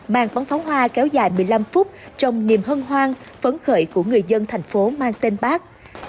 màn bắn pháo hoa kéo dài một mươi năm phút trong niềm hân hoan phấn khởi của người dân thành phố mang tên bác